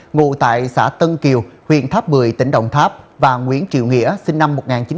ngụ tại xã tân kiều huyện tháp bười tỉnh đồng tháp và nguyễn triệu nghĩa sinh năm một nghìn chín trăm chín mươi năm